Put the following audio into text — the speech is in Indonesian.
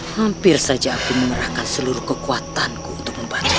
hampir saja aku mengerahkan seluruh kekuatanku untuk membantu